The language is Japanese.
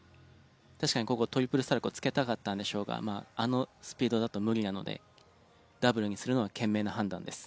確かにここはトリプルサルコーをつけたかったんでしょうがあのスピードだと無理なのでダブルにするのは賢明な判断です。